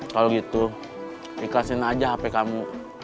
kalau gitu ikhlasin aja hp kamu